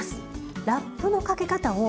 ラップのかけ方を。